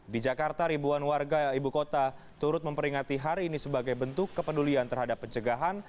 di jakarta ribuan warga ibu kota turut memperingati hari ini sebagai bentuk kepedulian terhadap pencegahan